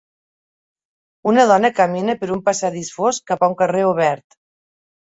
Una dona camina per un passadís fosc cap a un carrer obert.